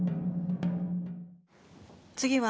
次は